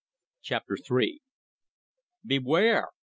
CHAPTER THREE "Beware!"